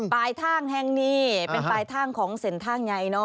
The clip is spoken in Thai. ปลายทางแห่งนี้เป็นปลายทางของเสนทางใหญ่